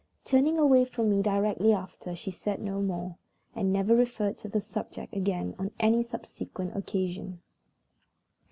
Turning away from me directly after, she said no more, and never referred to the subject again on any subsequent occasion.